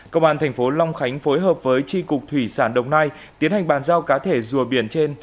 công an thành phố long khánh phối hợp với tri cục thủy sản đồng nai tiến hành bàn giao cá thể rùa biển trên